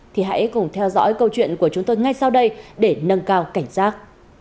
thì hãy cùng theo dõi câu chuyện của chúng tôi ngay sau đây để nâng cao cảnh giác